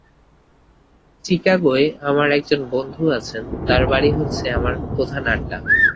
চিকাগোয় আমার একজন বন্ধু আছেন, তাঁর বাড়ী হচ্ছে আমার প্রধান আড্ডা।